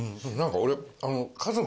俺。